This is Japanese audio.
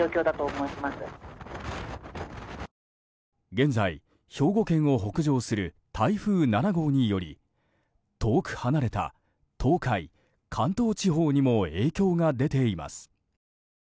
現在、兵庫県を北上する台風７号により遠く離れた東海・関東地方にも影響が出ています。